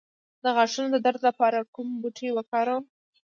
د غاښونو د درد لپاره کوم بوټی وکاروم؟